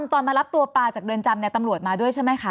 ตอนมารับตัวปลาจากเรือนจำตำรวจมาด้วยใช่ไหมคะ